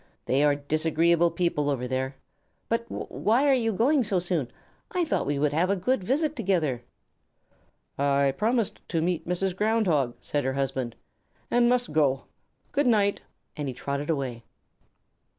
They are disagreeable people over there, but why are you going so soon? I thought we would have a good visit together." "I promised to meet Mrs. Ground Hog," said her husband, "and must go. Good night!" and he trotted away.